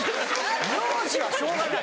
名字はしょうがない。